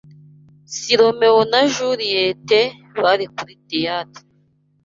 [S] Romeo na Juliet bari kuri theatre.